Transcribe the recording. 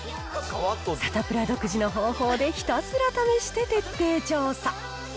サタプラ独自の方法でひたすら試して徹底調査。